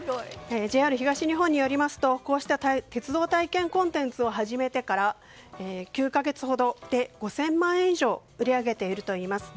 ＪＲ東日本によりますとこうした鉄道体験コンテンツを始めてから９か月ほどで５０００万円以上売り上げているといいます。